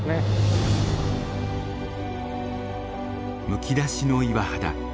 むき出しの岩肌。